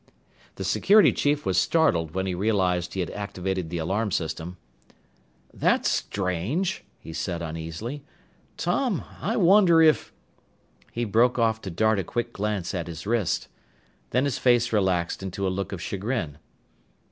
The security chief was startled when he realized he had activated the alarm system. "That's strange," he said uneasily. "Tom, I wonder if " He broke off to dart a quick glance at his wrist. Then his face relaxed into a look of chagrin.